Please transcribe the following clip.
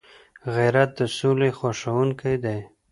غیرت د سولي خوښونکی دی